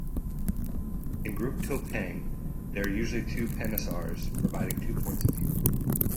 In group topeng, there are usually two penasars providing two points of view.